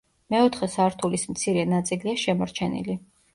მეოთხე სართულის მცირე ნაწილია შემორჩენილი.